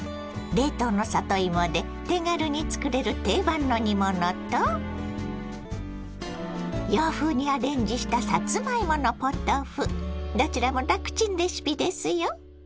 冷凍の里芋で手軽に作れる定番の煮物と洋風にアレンジしたどちらも楽ちんレシピですよ。